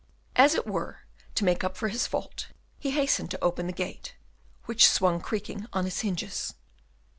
As it were to make up for his fault, he hastened to open the gate, which swung creaking on its hinges.